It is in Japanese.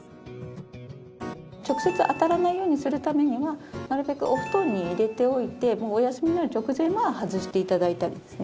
直接当たらないようにするためにはなるべくお布団に入れておいてお休みになる直前は外して頂いたりですね。